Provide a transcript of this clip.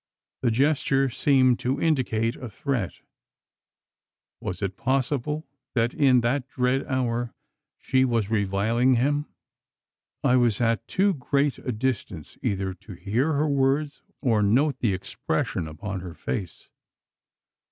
The gesture seemed to indicate a threat! Was it possible that in that dread hour she was reviling him? I was at too great a distance, either to hear her words, or note the expression upon her face.